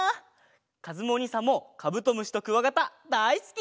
かずむおにいさんもカブトムシとクワガタだいすき！